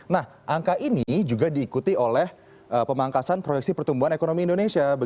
nah angka ini juga diikuti oleh pemangkasan proyeksi pertumbuhan ekonomi indonesia